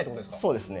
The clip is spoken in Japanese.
そうですね。